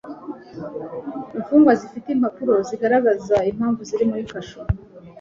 imfungwa zifite impapuro zigaragaza impamvu ziri muri kasho